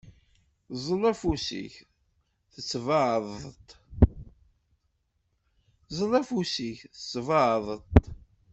Ẓẓel afus-ik, tettebɛeḍ-t.